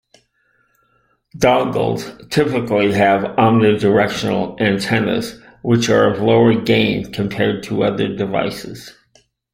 Dongles typically have omnidirectional antennas which are of lower gain compared to other devices.